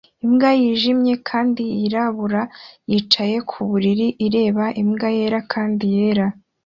Imbwa yijimye kandi yirabura yicaye ku buriri ireba imbwa yera kandi yera